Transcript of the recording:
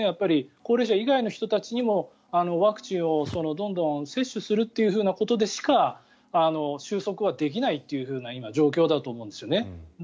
高齢者以外の人たちにもワクチンを、どんどん接種するということでしか収束はできないという状況だと思うんですよね。